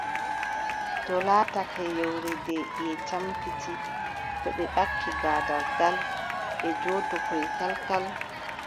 To laatake yewre nde ƴiƴe campiti, to mi ɓakki gaadal ngaal, ɗe njoototoo kalkal.